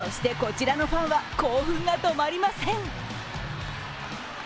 そして、こちらのファンは興奮が止まりません。